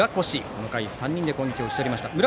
この回、３人で打ち取りました。